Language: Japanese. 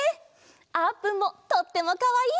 あーぷんもとってもかわいい！